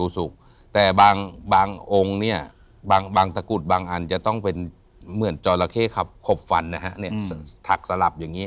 สุขแต่บางองค์เนี่ยบางตะกุดบางอันจะต้องเป็นเหมือนจอระเข้ขับขบฟันนะฮะเนี่ยถักสลับอย่างนี้